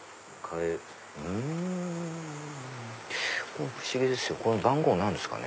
これ不思議ですよ